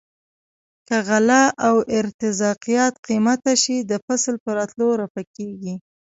که غله او ارتزاقیات قیمته شي د فصل په راتلو رفع کیږي.